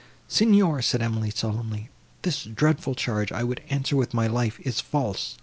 "Signor!" said Emily solemnly, "this dreadful charge, I would answer with my life, is false.